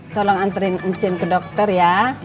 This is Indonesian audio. tolong anterin incin ke dokter ya